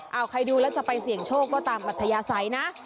เอาใครดูแล้วจะไปเสี่ยงโชคก็ตามอัธยาศัยนะ